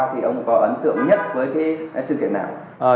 thì ông có ấn tượng nhất với cái sự kiện nào